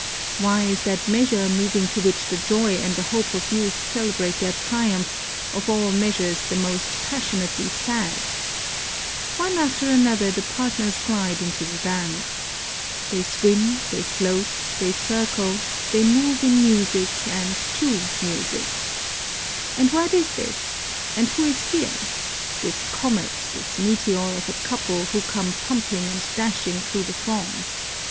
Why is that measure, moving to which the joy and the hope of youth celebrate their triumph, of all measures the most passionately sad? One after another the partners glide into the dance. They swim, they float, they circle, they move in music and to music. And what is this, and who is here? this comet, this meteor of a couple, who come pumping and dashing through the throng.